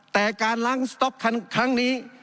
แต่การล้างสต๊อกครั้งนี้